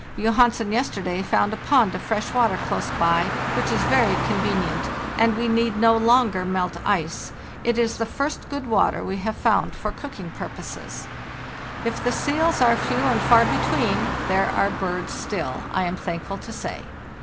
Johansen yesterday found a pond of fresh water close by, which is very convenient, and we need no longer melt ice; it is the first good water we have found for cooking purposes. If BY SLEDGE AND KAYAK 303 the seals are few and far between, there are birds still, I am thankful to say.